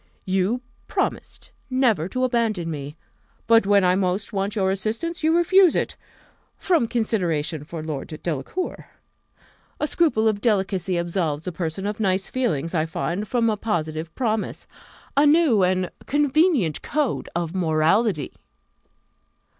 You promised never to abandon me; but when I most want your assistance, you refuse it, from consideration for Lord Delacour. A scruple of delicacy absolves a person of nice feelings, I find, from a positive promise a new and convenient code of morality!"